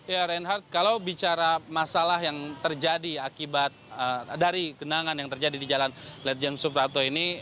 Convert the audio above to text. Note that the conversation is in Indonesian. ya reinhardt kalau bicara masalah yang terjadi akibat dari genangan yang terjadi di jalan ledjen suprapto ini